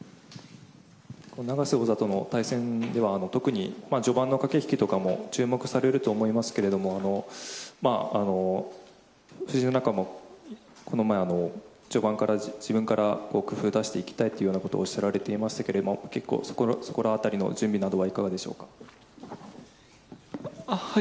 永瀬王座との対戦では特に、序盤の駆け引きとかも注目されると思いますけれども藤井七冠もこの前、序盤から自分から工夫を出していきたいとおっしゃられていましたけれどもそこら辺りの準備などはいかがでしょうか？